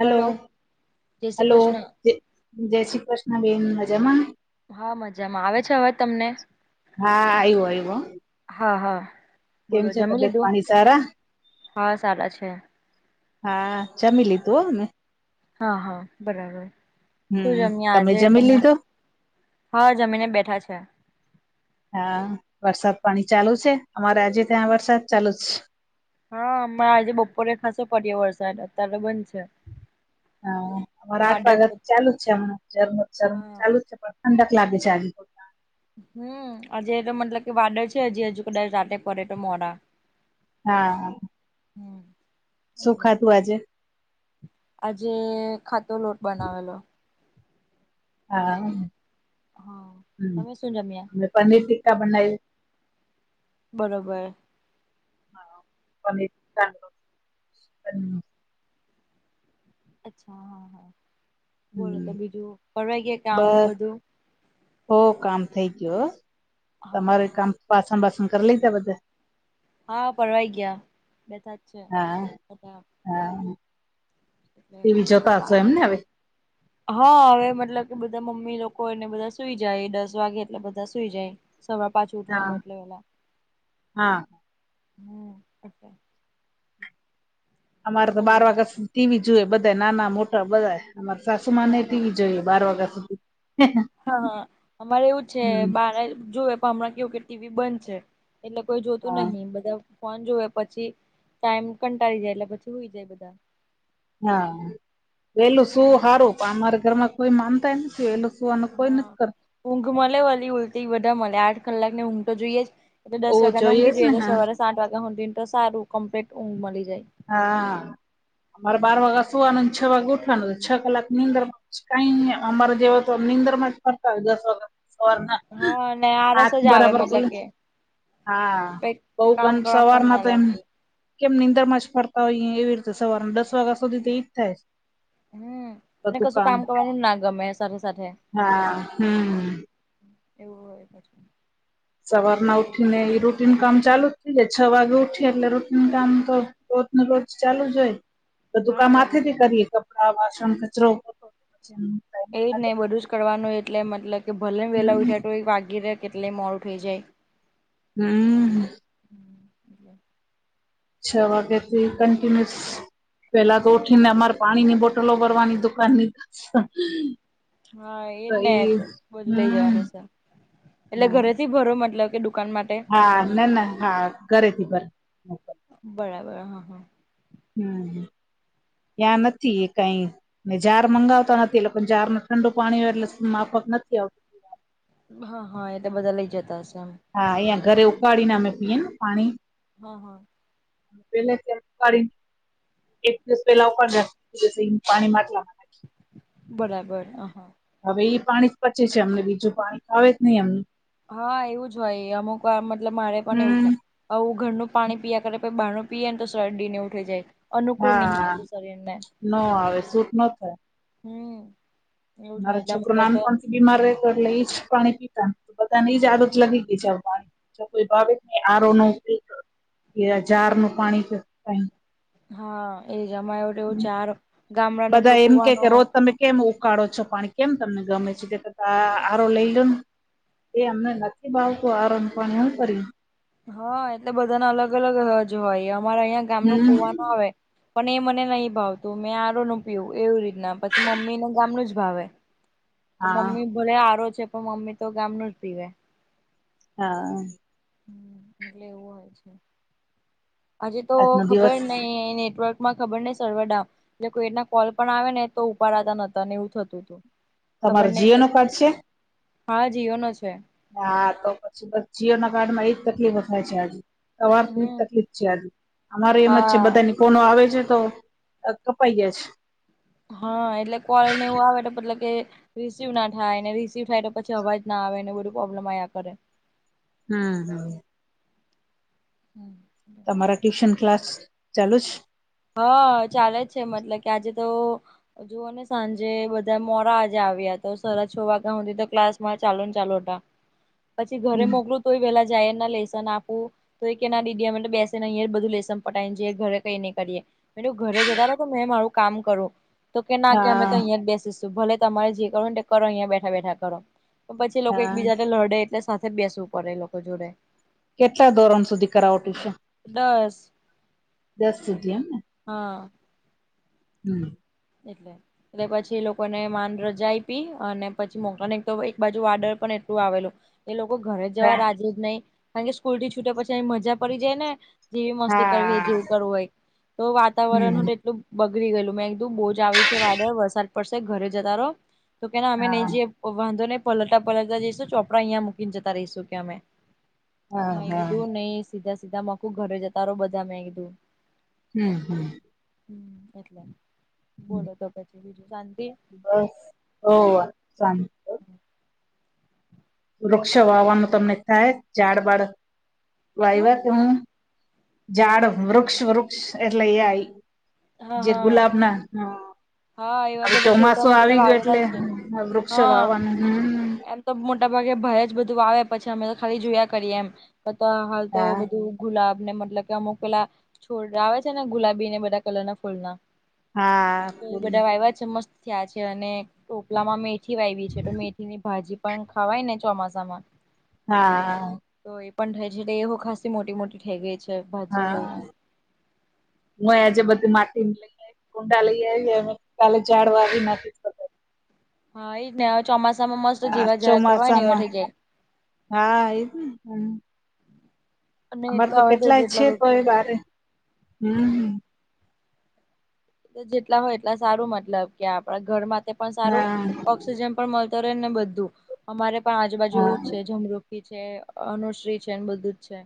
Hello જય Shri hello Krishna જય શ્રી કૃષ્ણ બેેન હજમા હા મજામાં આવે છે હવે તમને હા આવ્યો આવ્યો હા હા કેમ બોલો છે જમી તબિયત લીધું પાણી સારા હા સારા છે હા ચ મિલીી તું હા હા બરાબર શું હમ છેમને આજે જમી તમે લીધું હા જમીને બેઠા છે હા વરસાદ પાણી ચાલુ છે અમારે આજે ત્યાં વરસાદ ચાલુ જ છે હા અમાં આજે બપોરે ખાસો પડ્યો વરસાદદ અત્યારે બન છે હ અમારા આઠ વાદળ તો વાગ્યા ચાલુ જ છે હમણા જમમ હા ચાલુ જ છે પણ અંદ ક્લાભે છેાગ હમ આજે તો મતલબ કે વાદળ છે હજી હજુ કદાચ રાતે પડે તો મોરા હા હમ એટલે સુખા તું આજે આજે ખાતો લોટ બનાવેલો હા હા તમે શું જમ્યા હ અને પનીર ટીિક્કા બનાવી બરોબર હા અચ્છા હા હા બોલો તો બીજું ફરવાઈ ગય કે આમ બધું હો કામ થઈ ગયો હા તમારે હા કામ પાસન બાસન કરી લેજ બધા હા ફરવાઈ ગયા બેસાા જ છે હા હા હ ટીવી જોતા હશો હ એમને હવે હા હવે મતલબ કે બધા મમ્મી લોકો એને બધા સુઈ જાય દસ વાગે એટલે બધા સુઈ જાય સવા પાંચ હા ઉઠવાનું એટલે ઓેલા હા હમ એ અમારે તો બાર બોલો વાગત ટીવી જોુએ બધા નાના મોટા બધા અમાર સાસુમા હા ટીવી જોયું બાર વાગ્યા સુધી હા હા અમારે એવું છે હમ બાર જુવેએ પણ હમણાં કેવું કે ટીવી બંધ છે એટલે કોઈ જોતું હા નહિ બધા ફોન જોવે પછી ટાઈમ કંટાળી જાય એટલે પછી હોઈ જાય બધા હા પેલું હમ શું સારું પણ અમારા ઘરમાં કોઈ માનતા નથી વેલું કોઈ હા નક ઊંઘ મળે વલી ઉઊલટી બધા મળે આઠ કલાક ને ઊંઘ તો જોઈએ જ તો તો ઓ દસ વાગ્યા ના જોઈએ ઊંઘી જ જઈએ ને તો હા સવારે સાત વાગ્યા સુધીને તો સારું કમ્પ્લીટ ઊંઘ મળી જાય હા અમારે બાર વાગે સુવાનું છ વાગે ઉઠવાનું છ કલાકની અંદર માં કઈ અમારે જેવા તો નીંદર માં જ ફરતા હોય દસ વાગત સર હા અને આરસ હાથ જ આવે બરાબર પલ મતલબ કે હા કઈક બઉ ક કામ કરવામાં મન ના સવારમાં તો એમ લાગે કેમ નીંદર માં જ ફરતા હોય એવી રીતે સવારના દસ વાગ્યા સુધી તે ઈ જ થાય હમ તો ને તું કશું કામ કરવાનું ના ગમે સાથે સાથે હા હમ એવું હોય પછી સવાર ના ઉઠી ને એ રૂટિન કામ ચાલુ જ થઇ જાય છ વાગે ઉઠી એટલે રૂટીિન કામ તો રોચ ને રચ ચાલુ જ હોય તો હા દુકામ વળી હથેથી કરીએ કપડા વાસણ કચરો પછી ટાઈમ એ તો જ લાગે. ને બધું જ કરવાનું એટલે મતલબ કે ભલે વેલા હમ ઉઠા તો વાગી રહે કેટલેય મોડું થઈ જાય. હમ્મ. છ વાગ્યા થી કન્ટિન્યુસ પેલા તો હા ઉઠીને અમાર પાણીની બોટલો ભરવાની દુકાન ની હા એજ ને બધું લઇ હમ જવાની છે એટલે ઘરે હમ થી ભરો મતબ કે દુકાન માટે હા ના ના હા ઘરેથી ભ બરાબર હા હા હમ્મ, ત્યા નથી એ કઈ ને ઝાર મંગાવતા નથી એટલે પણ ઝાર ન ઠંડુ પાણી હોય એટલે માફક નથી આવ હા હા એટલે બધા લઇ જતા હશે આમ. હા યા ઘરે ઉકાડીને અમે પીએ ને પાણી હા, હા. પેલા ત કાઢીને એક દિવસ પેલા ઉપ રા પાણી માટલા બરાબર અ હ હવે પાણી જ પચે છે અમને બીજું પાણી ખાવે જ નહી એમ. હા એવું જ હોય એ અમુક મતલબ મારે પણ એવું હમ થાય. આવું ઘરનું પાણી પીયા કરે પી બહારનું પીએ ને તો શરડી ને એવું થઈ જાય. અનુકૂળ નહીં હા આવતું શરીરને. ન આવે સૂટ ન થાય હમ્મ. મારો છોકરું નામ પણ બીમાર રહે કરે એજ પાણી પીતા તો બધાને એ જ આદત લાગી ગઈ છે પાણી જો કોઈ ભાવ નહી આરો નો ઉપયોગ કર કે ઝાર ન પાણી કે કાઈ હા એ જમા એવ એવું ચાર ગામડા બધા એમ કે રુપવાનો કે રોજ તમે કેમ ઉકાળો છો પાણી કેમ તમને ગમે છે તે કરતા આર રો લઈ લો ને. એ અમને નથી ભાવતો આર રો નું પાણી હું કરી. હા એટલે બધા ના અલગ અલગ જ હોય અમારા અહીંયા ગામ નો હમ કુવાનું હોય. પણ એ મને નહી ભાવતું મેં આરો નો પીયુ એવી રીતના પછી મમ્મી ને ગામનું જ ભાવે. [inaudible] તો હા મમ્મી ભલે આરો છે પણ મમ્મી તો ગામ ન જ પીવે. હા. એટલે એવું હોય છે હજે તો આજનો ખબર દિવસ નહ નેટવર્ક. માં ખબર ને સરવ ડામ કોઈ એના કોલ પણ આવે ને તો ઉપાડતા નતા ને એવું થતું હતું. ખબર તમારો નહ જીઓ પી નો કાર્ડ છે હા જીઓ નો છે. હા તો પછી બસ જીઓ ના કાર્ડ માં એજ તકલીફો થાય છે આજે. તમારે થોડી જ હમ તકલીફ છે આજે અમારે એમ જ છે હા બધાની. કોનો આવે છે તો કપાઈયા છે. હા એટલે કોલ ને એવું આવે મતલબ કે. રિસીિવ ના થાયને રિસીિવ થાય તો પછી અવાજ ના આવે ને બધું પ્રોબ્લેમ આવયા કરે. હમ હા. હમ. મારા ટ્યુશન ક્લાસ ચાલુ છ. હા ચાલે જ છે મતલબ કે આજે તો. જુઓ ને સાંજે બધા મોરા આજે આવ્યા તો સડા છ વાગ્યા સુધી તો ક્લાસ માં ચાલો ને ચાલુ હતા. પછી ઘરે મોકલું તોય પેલા જાય એ ના લેસન આપું. તો એ કે ના દીદી અમે બેસેનેહીય બધું લેસન પટાવ નેઈએ ઘરે કઈ નઈ કરીએ. ઘરે જતા રહ તો મેં મારું કામ કરું તો કે ના કે અમે તો હા અહિયાં જ બેસીશ. ભલે તમારે જે કરો ને કરો અહીયા બેઠા બેઠા કરો પછી લોકો હા એકબીજાને લડે એટલે સાથે બેસવું પડે એ લોકો જોડે. કેટલા ધોરણ સુધી કરાવ ટુસન છે. દસ. દસ સુધી એમને. હા. હમ. એટલે. એ પછી લોકોને માન રજા આપ પી અને પછી મોક તો એક બાજુ વાર્ડર પણ એટલું આવેલું. એ લોકો ઘરે જવા હા રાજે જ નહી કારણ કે સ્કૂલ થી છૂટ્યા પછી અહી મજા પડી જાય ને. જેવી મસ્તી કરવી હા જેવું કરવું હોય તો વાતાવરણ હું હમ તેટલું બગડી ગયેલું મેં કીધુ બોજ. આવી છે વાદળ વરસાદ પડશે ઘરે જતા રહો તો કેના અમે હા નહી જઈએ. પ વાંધો નહી પલટતા પલટતા જઈશું ચોપડા અહીંયા મૂકીને જતા રહીશું કે અમે. હા હા મગીધું નહી સીધા સીધા માકું ઘરે જતા રહો બધા મેગીધું. હમ હમ. હમ એટલે બોલો તો પછી બીજું શાંતિ. બસ ઓ સ. વૃક્ષ વાવાનું તમને થાય ઝાડ બાડ શું વાઈવા તમે? ઝાડ વૃક્ષ વૃક્ષ એટલે એ આઈ હા જે હા ગુલાબ ના હા અ. એવા હવે બધા ચોમાસું છોટામાં બધા આવી ગયો વાવેલા એટલે છે વૃક્ષ હા વાવાનું હમ. એમ તો મોટા ભાગે ભય જ બધું આવે પછી અમે તો ખાલી જોયા કરીએ એમ હાલ તો હા બધું. ગુલાબ ને મતલબ કે અમુક પેલા છોડ આવે છે ને ગુલાબીને બધા કલર ના ફૂલના. હા તો એ બધા આવ્યા છે મસ્ત. થ્યા છે અને ટોપલામાં મેથી વાય્વી છે તો મેથીની ભાજી પન ખવાય ને ચોમાસામાં. હા. તો એ પણ થાય છે એટલે એવ ખાસી મોટી મોટી થઈ ગઈ છે. ભાજી હોય હા. હું આજે બધી માટી ને લઈ આવી કુંડા લઈ આવી એ કાલે ઝડવા આવી ના. હા એ જ ને ચોમાસામાં મસ્ત હા જીવા ઝાડ કરવાય ને એવા ચોમાસામાં થઈ જાય. હા એ જ ને હમ્મ. અને અમારે તો એટલા હવે કેટલાય છે જેટલા તો વૃક્ષો છે હોય બારે હમ્મ. તો જેટલા હોય એટલા સારું મતલબ કે આપડા ઘર માં પણ સારું હા ઓક્સિજન પણ મલતો રહે ને બધું અમારે પણ આજુબાજુ હા છે ઝમરૂ તે છે અનુશ્રી છેને બધું જ છે.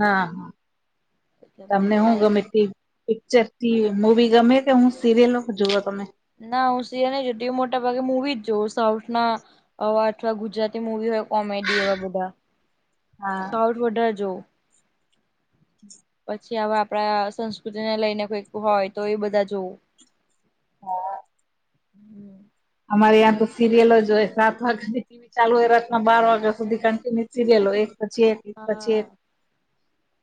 હા હા એટલે તમને બધું હું થાય ગમે તે પિક્ચર ટી વી મૂવી ગમે કે હું સિરિયલો જુઓ તમે? ના હું સિરિયલ નહી જોતી મોટા ભાગે મુવી જ જોઉં સાઉથ ના આવા અથવા ગુજરાતી મુવી હોય કોમેડી એવા બધા હા સાઉથ વધાર જોઉં. [inaudible] પછી આવા આપડા સંસ્કૃતિને લઈને કોઈક હોય તો એ બધા જોવું. હા. હમ્મ. અમારે ત્યાં તો સિરિલ જ હોય સાત વાગ્યા ની ટી વી ચાલુ હોય રાતના બાર વાગ્યા સુધી કન્ટિન્યુ સિરિયલો એક પછી એક એક પછી એક હા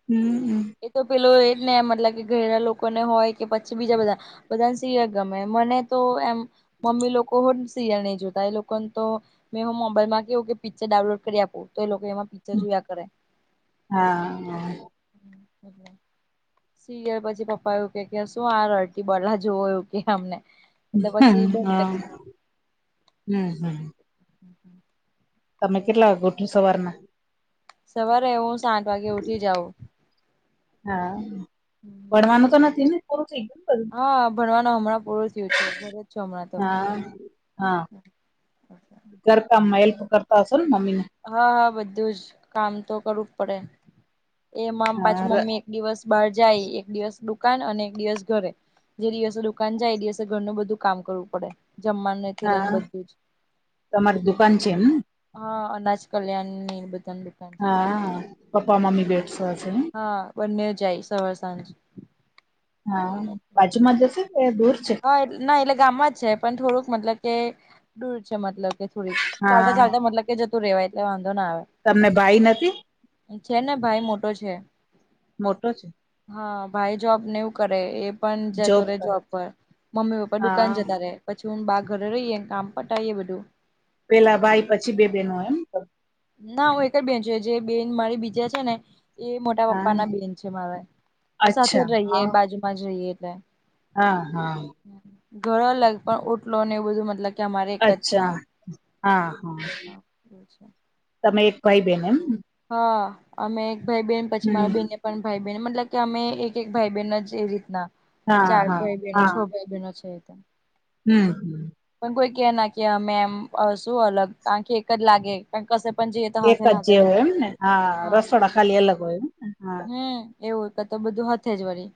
હમ્મ. એ તો પેલો એ જ ને મતલબ કે ઘઈડા લોકોને હોય કે પછી બીજા બધા બધાને સીરિયલ ગમે મને તો એમ મમ્મી લોકો હો સીરિયલ નહી જોતા એ લોક કોમ તો મેં હું મોબાઈલ માં કેવું કે પિક્ચર ડાઉનલોડ કરી આપું તો એ લોકો એમાં પિક્ચર જોયા કરે. હા, હા, હા. હમ્મ કર્યા. સિયર પછી પપ્પા એવું કે શું આ રરટી બલા જોવ એવું કે અમને. એટલે પછી બંધ હા કરી અ. ના ના. [inaudible] તમે કેટલા વાગે ઉઠો સવારના? સવારે હું આઠ વાગે ઉઠી જાઉ. હા, ભણવાનું તો નથી ને પૂરું થઈ ગયું ને બધું. હા, ભણવાનું હમણાં પૂરું થયું છે. ઘરે જ છું હમણાં તો હા. હા, ઘર કામમાં હેલ્પ કરતા હશોને મમ્મીને? હા હા બધું જ. કામ તો કરવું જ પડેન. એમાં આમ પાછું હા મમ્મી એક દિવસ બહાર જાય. એક દિવસ દુકાન અને એક દિવસ ઘરે. જે દિવસે દુકાન જાય એ દિવસે ઘરનું બધું કામ કરવું પડે જમવાને હા, તમાર દુકાન છે એમને? હા, અનાજ કલ્યાણની એ બધાન હા, પપ્પા મમ્મી બેસતા હશે હેન? હા! બંનેય જાય સવાર સાંજ. હા, બાજુમાં જ હશે કે દૂર છે? હ, ના એટલે ગામમાં જ છે પણ થોડુંક મતલબ કે દૂર છે મતલબ કે થોડીક. હા ચાલતા ચાલતા મતલબ કે જતું રેવાય એટલે વાંધો ના આવે. તમને ભાઈ નથી છે ને ભાઈ મોટો છે. મોટો છે હા, ભાઈ જોબ ને એવું કરે એ પણ જતો રહેે કરે જોબ છે. પર. મમ્મી પપ્પા દુકાન હા જતા રે. પછી હું બા ઘરે રહીએ કામ પટાઈ એ બધું. પેહલા ભાઈ પછી બે બેહેનો એમ? ના હું એક જ બેન છું, જે બેન મારી બીજા છે ને એ મોટા હા પપ્પાના બેન છે મારા. સાથે અચ્છા જ રહીએ હા બાજુમાં જ રહીએ એટલે. હા હા. ઘર અલગ પણ ઓટલો ને એવું બધું મતલબ કે અમારે એક જ છે અચ્છા. આમ હા હા. એવું છે. તમે એક ભાઈ બેન એમ ને. હા અમે એક ભાઈ બેન, પછી હમ મારા બેન ને પણ ભાઈ બહેન મતલબ કે અમે એક એક ભાઈ બહેન જ છે એ રીતના. હા ચાર હા ભાઈ બહેનો હા છ ભાઈ બહેનો છે એટલે. હમ હમ. પણ કોઈ કે ના કે અમે એમ શું અલગ, કારણકે એક જ લાગે ને કસે પણ જઈએ તો હાથે ને હાથે બધા. હા હા હા. રસોડા ખાલી અલગ હોય એમને? હા. હમ એવું કતો બધું હાથે જ વળી.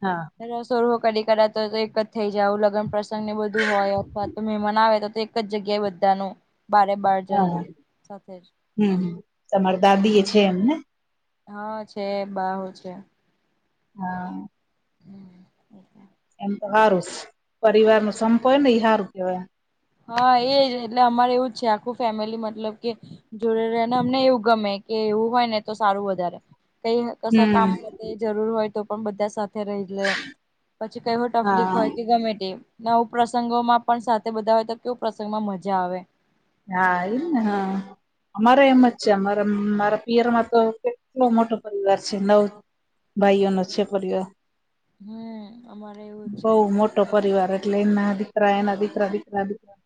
હા. રસોડુ કદી કદાચ તો એક જ થઇ જાવ, લગન પ્રસંગ ને એ બધું હોય અથવા તો મહેમાન આવે તો તો એક એક જ જગ્યાએ બધાનું. બારે બાર હા જનનું સાથે જ. હમ હમ. તમાર દાદી એ છે એમને? હા છે. બા હઉ છે. હા. એમ તો હારુ. પરિવારનો સંપ હોયને એ હારુ કેવાય એમ. હા એ જ. એટલે અમારે એવું જ છે આખું ફેમિલી મતલબ કે, જોડે રેહ, અને અમને એવું ગમે કે એવું હોય ને તો સારું વધારે. કઈ કશ કામ હમ માટે જરૂર હોય તો પણ બધા સાથ થે રહીલે. પછી કઈ પણ ટફલીક હા હોય કે ગમે તે. નવું પ્રસંગોમાં પણ સાથે બધા હોય, તો કેપ્રસંગમાં મજા આવે. હા એ જ ને. હા, અમારે એમ જ છે અમાર મારા પિયરમાં તો કેટલો મોટો પરિવાર છે નવ ભાઈઓનો છે પરીવાર. હમ અમારે એવું છે બઉ મોટો પરિવાર એટલે ના રે રા નભ્રવિકરાિત [inaudible]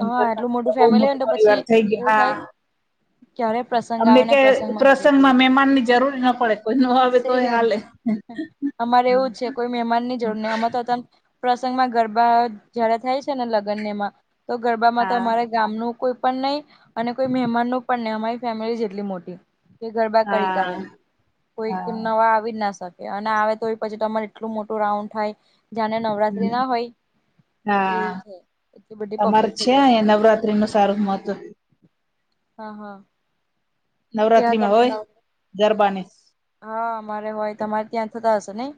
હા, આટલું મોડું બઉ મોટુ પરિવાર થઈ ગયું આ ક્યારે પ્રસંગ અમને આવે ને કે બધા પ્રસંગમાં જઈએ મહેમાન ની જરૂરી ના પડે કોઈ ન આવેવે તોય સેમ હાલે. અમારે એવું છે કોઈ મહેમાનની જોડ ને પ્રસંગમાં ગરબા જયારે થાય છે ને લગન માં તો ગરબામાં તો હા અમારે, ગામ ન કોઈ પણ નહી અને કોઈ મહેમાન ન પણ નહી અમારી ફેમિલી જેટલી મોટી, કે ગરબા કરી હા કરે હા કોઈ નવા આવી જ ના સર, અને આવે તો એ પછી તમારે એટલું મોટું રાઉન્ડ થાય. જાને નવરાત્રી હમ. ના હોય એવું છે. એટલી બધી તમારે પબ્લિક થઈ જાય છે બધા નવરાત્રી ન સારું મોતું. હા હા ત્યાં નવરાત્રીમાં ત હોય ગરબાને હા મારે હોય તમારે ત્યાં થતા હશે નહી?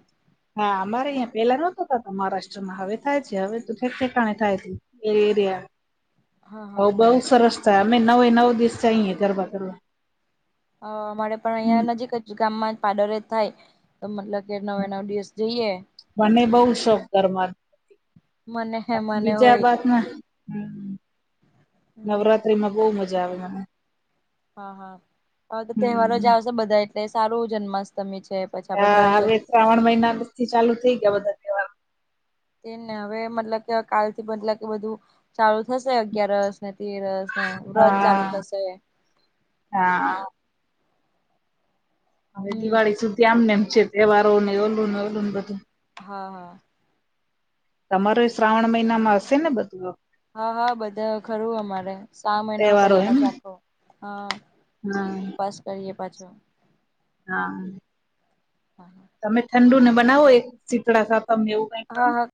હા અમારે અહીં પેલા નહતોતા મહારાષ્ટ્રમાં હવે થાય છે હવે તો ઠક ઠેકાણે થાય છે. એરે એ રહિયા હા હ હા બઉ બરાબર સરસ થાય અમે નવે નવ દિવસ જઈએ ગરબા કરવા, અ અમારે પણ હમ. અહિયાં નજીક જ ગામમાં પાડરે થાય. તો મતલબ કે નવે નવ દિવસ જઈએ મને પછી બહુ શોખ ગરબા મને મને બીજા હોય બાદમાં હ હમ નવરાત્રી માં બહુ મજા આવે મને, હા હા હવે તો તહેવારો હમ જ આવશે બધા એટલે સારું જન્માષ્ટમી છે. પછી હ આપડે ગણેશ હવે ચતુર્થી શ્રાવણ મહિના થી ચાલુ થઈ ગયા બધા. તહેવાર તે ને હવે મતલબ કે કાલ થી બતલ કે બધું ચાલુ થશે અગિયારસ ને તેરસ, ને વ્રત ચાલુ હા થશે હા હવે હમ દિવાળી સુધી આમને એમ છે તહેવારો ને ઓલું ને ઓલું ને બધું. હા હા તમારું શ્રાવણ મહિનામાં હશે ને બધું હા હા બધા ખરું અમારે સા મહિનો કરીએ પાછ આખો હ ના કરીએ પાછો હા હા હા તમે ઠંડુ ને બનાવો એક શીતળા ખ તને એવું કઈ કરો હા હા